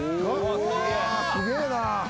すげえな。